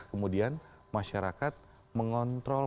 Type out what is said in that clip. kemudian masyarakat mengontrol